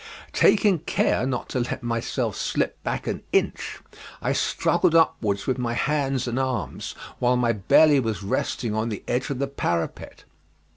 Taking care not to let myself slip back an inch I struggled upwards with my hands and arms, while my belly was resting on the edge of the parapet.